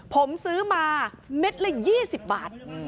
ผมซื้อมาเม็ดละ๒๐บาท